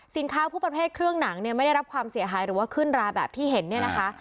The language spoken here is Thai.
ผู้ประเภทเครื่องหนังเนี่ยไม่ได้รับความเสียหายหรือว่าขึ้นราแบบที่เห็นเนี่ยนะคะ